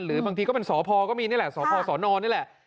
หรือบางทีก็เป็นสพก็มีนี่แหละสพสนนี่แหละ